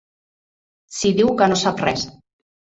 Si diu que no sap res.